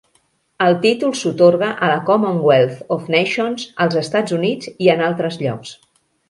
El títol s'atorga a la Commonwealth of Nations, als Estats Units i en altres llocs.